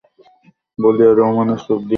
বলিয়া রামমোহনের চোখ দিয়া জল পড়িতে লাগিল।